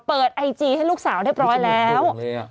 ไอจีให้ลูกสาวเรียบร้อยแล้ว